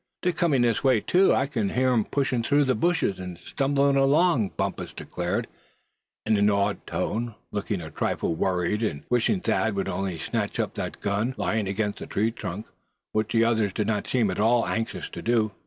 "They're comin' this way, too; I c'n hear 'em pushin' through the bushes, and stumblin' along too." Bumpus declared, in an awed tone; looking a trifle worried, and wishing Thad would only snatch up that gun, lying against the tree trunk, which the other did not seem at all anxious to do.